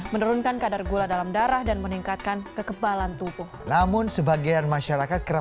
menurunkan kadar gula dalam darah dan meningkatkan kekebalan tubuh namun sebagian masyarakat kerap